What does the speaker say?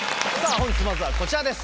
本日まずはこちらです。